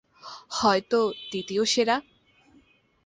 হয়তো দ্বিতীয় সেরা।